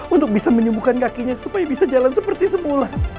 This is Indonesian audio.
untuk bisa menyembuhkan kakinya supaya bisa jalan seperti semula